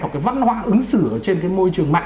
hoặc cái văn hóa ứng xử trên cái môi trường mạng